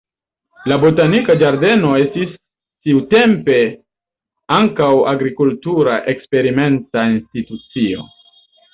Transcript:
La botanika ĝardeno estis tiutempe ankaŭ agrikultura eksperimenta institucio.